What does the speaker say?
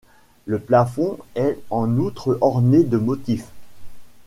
Le plafond est en outre orné de motifs.